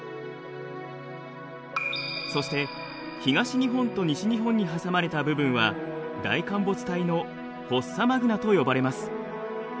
そして東日本と西日本に挟まれた部分は大陥没帯のフォッサマグナと呼ばれます。